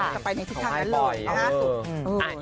กลับไปในทิศทางนั้นเลย